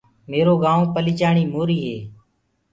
ميرو گآئونٚ پليچاڻي موري هي۔